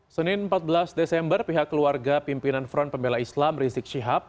senin empat belas desember pihak keluarga pimpinan front pembela islam rizik syihab